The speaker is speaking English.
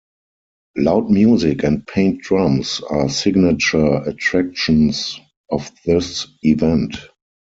Loud music and paint drums are signature attractions of this event.